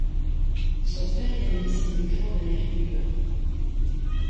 Son frère Yiannis émigra en Amérique du Nord.